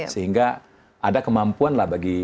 sehingga ada kemampuanlah bagi